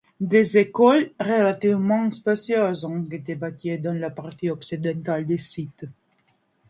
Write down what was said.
Des écoles relativement spacieuses ont été bâties dans la partie occidentale des cités.